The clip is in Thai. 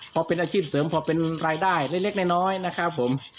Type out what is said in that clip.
พอเป็นอาชีพเสริมพอเป็นรายได้เล็กน้อยนะครับผม